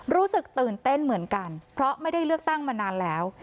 รู้สึกตื่นเต้นเหมือนกันเพราะไม่ได้เลือกตั้งมานานแล้ว